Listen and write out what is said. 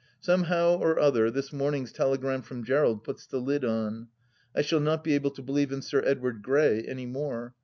Somehow or other this morning's telegram from Gerald puts the lid on. I shall not be able to believe in Sir Edward Grey any more.